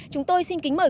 chúng tôi xin kính mời